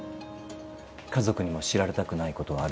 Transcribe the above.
家族にも知られたくないことはある？